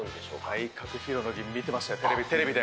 体格披露の儀、見てましたよ、テレビで？